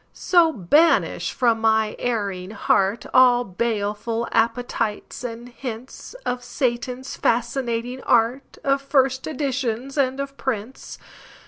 So banish from my erring heartAll baleful appetites and hintsOf Satan's fascinating art, Of first editions, and of prints.